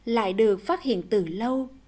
lại được phát hiện từ lớp